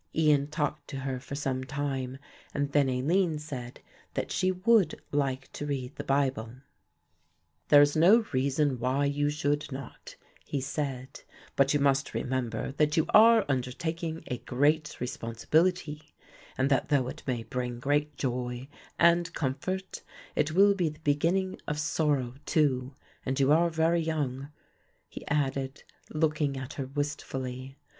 Ian talked to her for some time, and then Aline said that she would like to read the Bible. "There is no reason why you should not," he said, "but you must remember that you are undertaking a great responsibility, and that though it may bring great joy and comfort, it will be the beginning of sorrow too, and you are very young," he added, looking at her wistfully.